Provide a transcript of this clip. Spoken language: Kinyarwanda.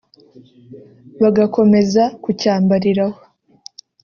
bagakomeza kucyambariraho